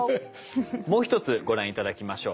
もう一つご覧頂きましょう。